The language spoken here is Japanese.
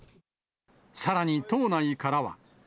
さらに党内からは。